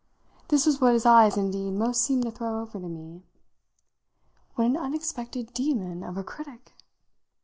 This was what his eyes indeed most seemed to throw over to me "What an unexpected demon of a critic!"